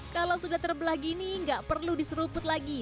kalau sudah terbelah gini nggak perlu diseruput lagi